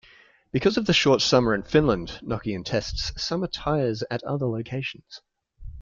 Because of the short summer in Finland, Nokian tests summer tyres at other locations.